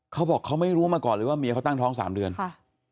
เขาบอกเขาไม่รู้มาก่อนเลยว่าเมียเขาตั้งท้องสามเดือนค่ะ